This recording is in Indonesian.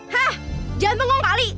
hah jangan bengong kali